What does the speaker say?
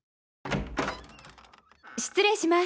失礼します。